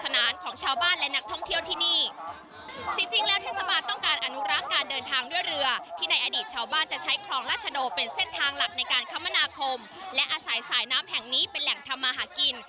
ในการคมนาคมและอาศัยสายน้ำแห่งนี้เป็นแห่งธรรมหากิน